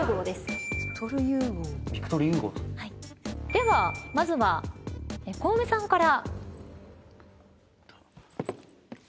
ではまずはコウメさんから。